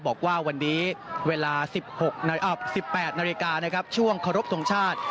บอกว่าวันนี้เวลา๑๘นาฬิกาช่วงขอรบทรงชาติ